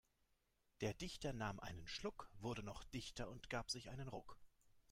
Der Dichter nahm einen Schluck, wurde noch dichter und gab sich einen Ruck.